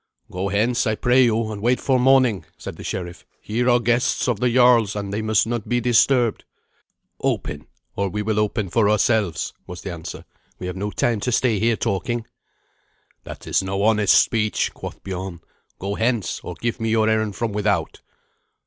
"Go hence, I pray you, and wait for morning," said the sheriff. "Here are guests of the jarl's, and they must not be disturbed." "Open, or we will open for ourselves," was the answer. "We have no time to stay here talking." "That is no honest speech," quoth Biorn. "Go hence, or give me your errand from without."